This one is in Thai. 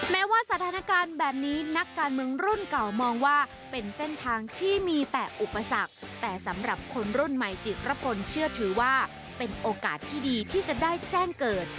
แม้ว่าสถานการณ์แบบนี้นักการเมืองรุ่นเก่ามองว่าเป็นเส้นทางที่มีแต่อุปสรรคแต่สำหรับคนรุ่นใหม่จิตรพลเชื่อถือว่าเป็นโอกาสที่ดีที่จะได้แจ้งเกิด